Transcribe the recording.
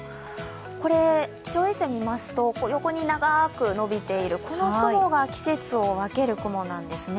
気象衛星を見ますと、横に長く伸びている雲が季節を分ける雲なんですね。